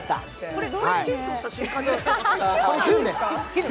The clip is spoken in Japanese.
これキュンとした瞬間ですか？